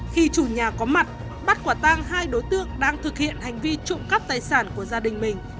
khi chủ nhà có mặt bắt quả tang hai đối tượng đang thực hiện hành vi trộm cắp tài sản của gia đình mình